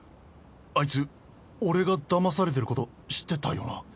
アイツ俺がだまされてること知ってたよな？